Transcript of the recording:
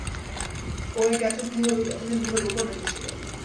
ও এটা এতদিন ধরে গোপন রেখেছিলো।